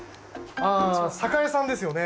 あ酒屋さんですよね。